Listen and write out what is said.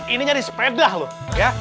ini nyari sepeda loh